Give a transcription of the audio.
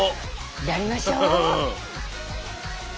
やりましょう。